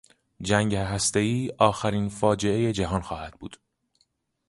جنگ هستهای آخرین فاجعه جهان خواهد بود.